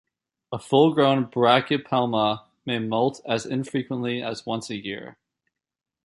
A full-grown "Brachypelma" may molt as infrequently as once a year.